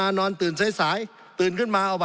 สงบจนจะตายหมดแล้วครับ